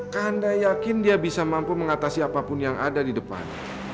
kandaya yakin dia bisa mampu mengatasi apapun yang ada di depan